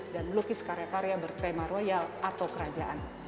dan lukis karya karya bertema royal atau kerajaan